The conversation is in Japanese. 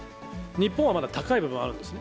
日本はまだ高い部分はあるんですね。